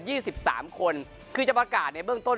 เพราะให้เหลือ๒๓คนคือจะประกาศในเบื้องต้น